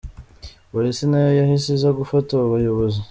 Polisi nayo yahise iza gufata abo bayobozi.